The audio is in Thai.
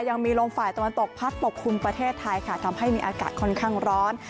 ยังมีลมฝ่ายตะวันตกพัดปกคลุมประเทศไทยค่ะทำให้มีอากาศค่อนข้างร้อน